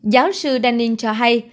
giáo sư denning cho hay